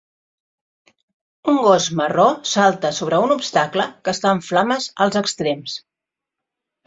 Un gos marró salta sobre un obstacle que està en flames als extrems